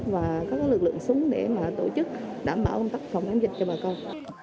và các lực lượng súng để tổ chức đảm bảo công tác phòng án dịch cho bà con